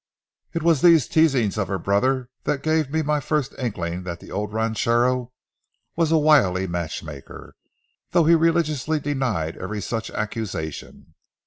It was these teasings of her brother that gave me my first inkling that the old ranchero was a wily matchmaker, though he religiously denied every such accusation.